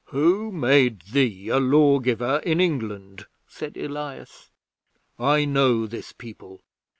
'"Who made thee a Lawgiver in England?" said Elias. "I know this people.